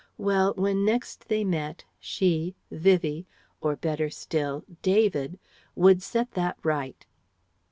Well, when next they met she Vivie or better still David would set that right.